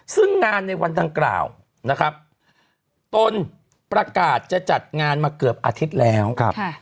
ซึ่งงานในวันดังกล่าวนะครับตนประกาศจะจัดงานมาเกือบอาทิตย์แล้ว